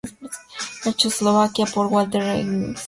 En Checoslovaquia, por la Walter Engines.